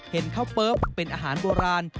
ข้าวเปิ๊บเป็นอาหารโบราณ